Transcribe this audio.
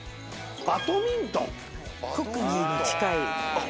バドミントン。